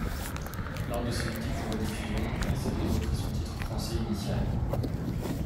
Lors de ses multiples rediffusions, la série reprit son titre français initial.